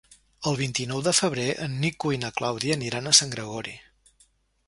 El vint-i-nou de febrer en Nico i na Clàudia aniran a Sant Gregori.